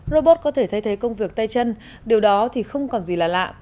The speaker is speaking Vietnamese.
robot có thể thay thế công việc tay chân điều đó thì không còn gì là lạ